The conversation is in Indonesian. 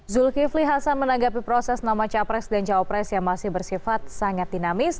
zulkifli hasan menanggapi proses nama capres dan cawapres yang masih bersifat sangat dinamis